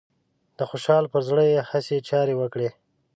د خوشحال پر زړه يې هسې چارې وکړې